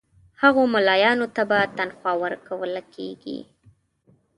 هغو مُلایانو ته به تنخوا ورکوله کیږي.